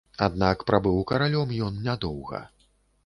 Аднак прабыў каралём ён нядоўга.